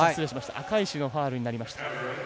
赤石がファウルになりました。